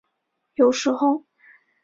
有时候。